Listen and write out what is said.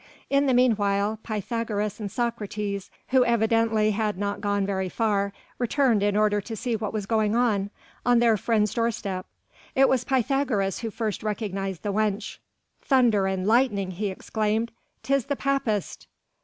In the meanwhile, Pythagoras and Socrates, who evidently had not gone very far, returned in order to see what was going on, on their friend's doorstep. It was Pythagoras who first recognized the wench. "Thunder and lightning," he exclaimed, "'tis the Papist!"